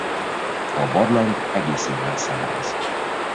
A barlang egész évben száraz.